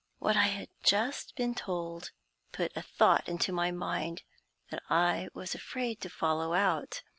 What I had just been told put a thought into my mind that I was afraid to follow out.